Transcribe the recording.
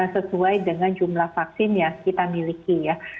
sesuai dengan jumlah vaksin yang kita miliki ya